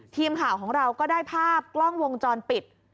ทีมข่าวของเราก็ได้ภาพกล้องวงจรปิด